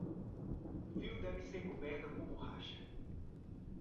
Fio deve ser coberto com borracha.